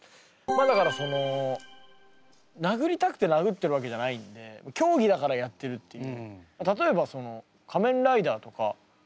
まあだからその殴りたくて殴ってるわけじゃないんで競技だからやってるっていう。